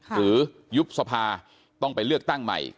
ยุบสภาต้องไปเลือกตั้งใหม่